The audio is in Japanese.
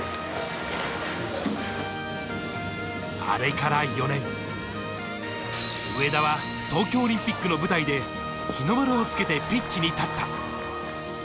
あれから４年、上田は東京オリンピックの舞台で日の丸をつけてピッチに立った。